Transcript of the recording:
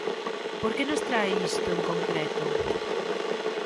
¿Por que nos trae isto en concreto?